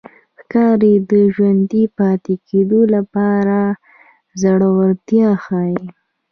ښکاري د ژوندي پاتې کېدو لپاره زړورتیا ښيي.